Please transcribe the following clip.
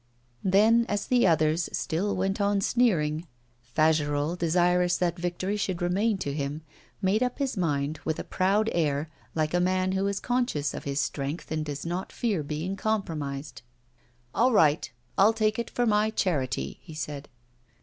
Then, as the others still went on sneering, Fagerolles, desirous that victory should remain to him, made up his mind, with a proud air, like a man who is conscious of his strength and does not fear being compromised. 'All right, I'll take it for my "charity,"' he said.